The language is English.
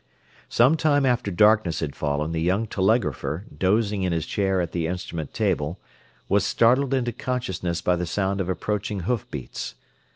Some time after darkness had fallen the young telegrapher, dozing in his chair at the instrument table, was startled into consciousness by the sound of approaching hoofbeats.